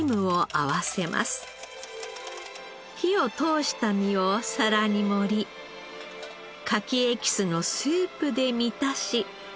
火を通した身を皿に盛りカキエキスのスープで満たし。